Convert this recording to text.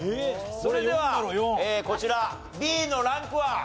それではこちらＢのランクは？